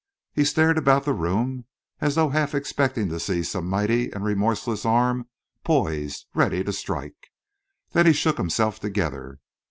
He stared about the room, as though half expecting to see some mighty and remorseless arm poised, ready to strike. Then he shook himself together.